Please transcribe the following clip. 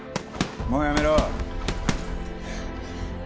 もうやめろ。